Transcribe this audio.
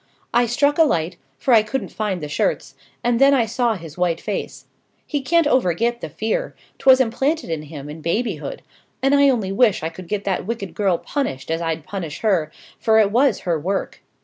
I struck a light, for I couldn't find the shirts, and then I saw his white face. He can't overget the fear: 'twas implanted in him in babyhood: and I only wish I could get that wicked girl punished as I'd punish her, for it was her work.